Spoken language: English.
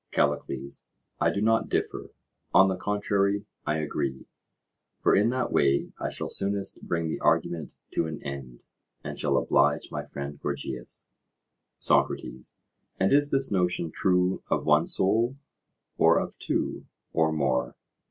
CALLICLES: I do not differ; on the contrary, I agree; for in that way I shall soonest bring the argument to an end, and shall oblige my friend Gorgias. SOCRATES: And is this notion true of one soul, or of two or more?